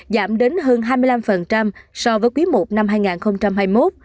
giảm đến hơn hai mươi năm so với quý i năm hai nghìn hai mươi một